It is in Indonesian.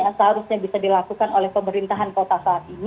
yang seharusnya bisa dilakukan oleh pemerintahan kota saat ini